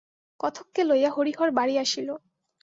কথককে লইয়া হরিহর বাড়ি আসিল।